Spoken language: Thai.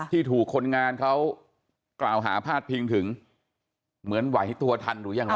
ที่ถูกคนงานเขากล่าวหาพาดพิงถึงเหมือนไหวตัวทันหรือยังไง